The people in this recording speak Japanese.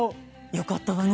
よかったわね